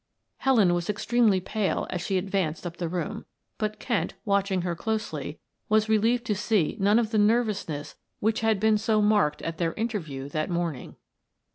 Helen was extremely pale as she advanced up the room, but Kent, watching her closely, was relieved to see none of the nervousness which had been so marked at their interview that morning.